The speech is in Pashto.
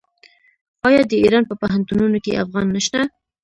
آیا د ایران په پوهنتونونو کې افغانان نشته؟